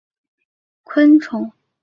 它们有时也会吃昆虫。